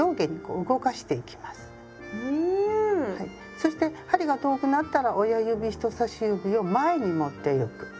そして針が遠くなったら親指人さし指を前に持ってゆく。